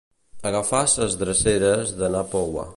Agafar ses dreceres de na Poua.